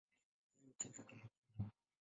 Yeye hucheza kama kiungo.